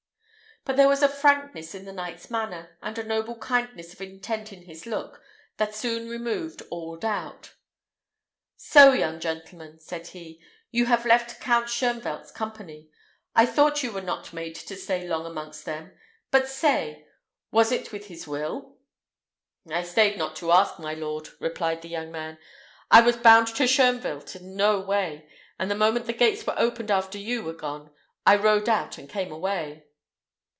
But there was a frankness in the knight's manner, and a noble kindness of intent in his look, that soon removed all doubt. "So, young gentleman," said he, "you have left Count Shoenvelt's company. I thought you were not made to stay long amongst them; but say, was it with his will?" "I staid not to ask, my lord," replied the young man. "I was bound to Shoenvelt in no way, and the moment the gates were opened after you were gone, I rode out and came away."